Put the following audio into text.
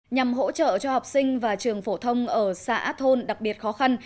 nhằm hỗ trợ cho học sinh và trường phổ thông ở xã thôn đặc biệt khó khăn